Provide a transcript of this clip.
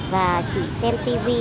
và chỉ xem tivi